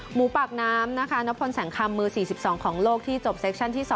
หมูปากน้ำนะคะนพลแสงคำมือ๔๒ของโลกที่จบเซคชั่นที่๒